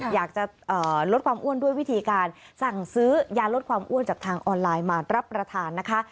อยากจะลดความอ้วนด้วยวิธีการสั่งซื้อยาลดความอ้วนจากทางออนไลน์มารับประทานนะคะ